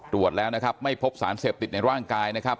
ตรวจแล้วนะครับไม่พบสารเสพติดในร่างกายนะครับ